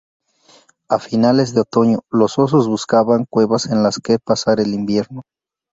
A finales del otoño, los osos buscaban cuevas en las que pasar el invierno.